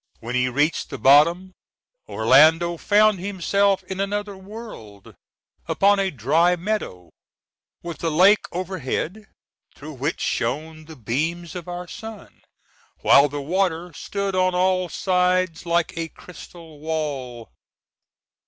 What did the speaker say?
When he reached the bottom Orlando found himself in another world, upon a dry meadow, with the lake overhead, through which shone the beams of our sun, while the water stood on all sides like a crystal wall.